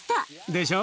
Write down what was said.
でしょ。